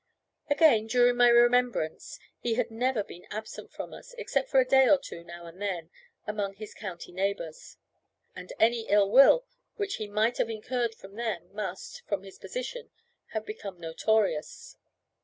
Again, during my remembrance, he had never been absent from us, except for a day or two, now and then, among his county neighbours; and any ill will which he might have incurred from them must, from his position, have become notorious.